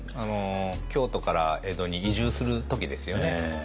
京都から江戸に移住する時ですよね。